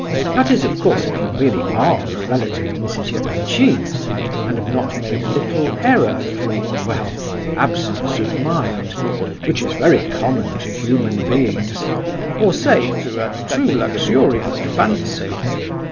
That is, of course, if you really are a relative of Mrs. Epanchin's, and have not made a little error through—well, absence of mind, which is very common to human beings; or, say—through a too luxuriant fancy?"